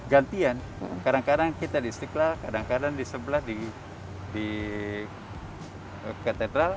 gantian kadang kadang kita di istiqlal kadang kadang di sebelah di katedral